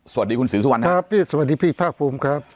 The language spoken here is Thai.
สวัสดีคุณศรีสุวรรณครับพี่สวัสดีพี่ภาคภูมิครับ